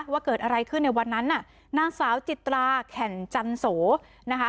ว่าเกิดอะไรขึ้นในวันนั้นน่ะนางสาวจิตราแข่นจันโสนะคะ